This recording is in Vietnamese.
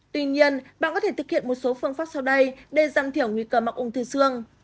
tuy nhiên bạn có thể thực hiện một số phương pháp sau đây để giảm thiểu nguy cơ mắc ung thư xương